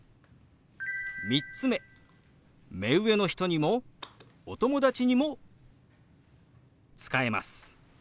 ３つ目目上の人にもお友達にも使えます。